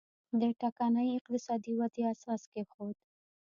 د ټکنۍ اقتصادي ودې اساس کېښود.